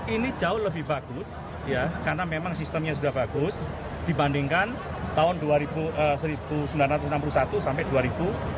ini jauh lebih bagus karena memang sistemnya sudah bagus dibandingkan tahun seribu sembilan ratus enam puluh satu sampai dua ribu dua